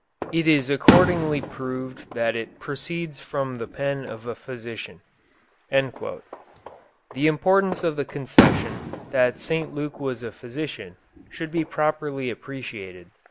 It is accordingly proved that it proceeds from the pen of a physician. The importance of the concession that Luke was a physician should be properly appreciated.